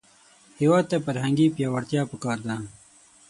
هېواد ته فرهنګي پیاوړتیا پکار ده